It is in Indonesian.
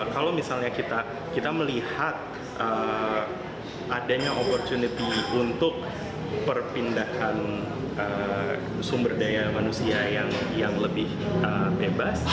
kalau misalnya kita melihat adanya opportunity untuk perpindahan sumber daya manusia yang lebih bebas